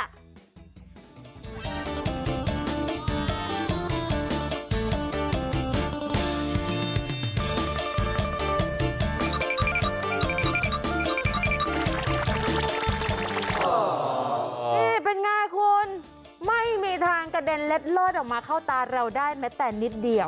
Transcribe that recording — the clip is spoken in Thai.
นี่เป็นไงคุณไม่มีทางกระเด็นเล็ดลอดออกมาเข้าตาเราได้แม้แต่นิดเดียว